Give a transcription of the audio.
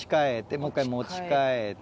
もう１回持ち替えて。